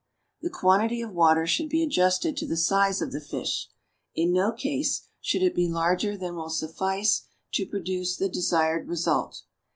The quantity of water should be adjusted to the size of the fish; in no case should it be larger than will suffice to produce the desired result.